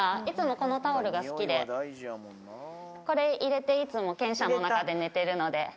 いつもこのタオルが好きでこれ入れていつも犬舎の中で寝てるので。